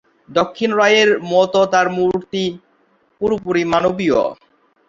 দক্ষিণ রায়ের মতো তার মূর্তি পুরোপুরি মানবীয়।